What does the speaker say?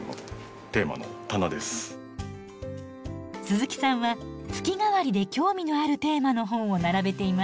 鈴木さんは月替わりで興味のあるテーマの本を並べています。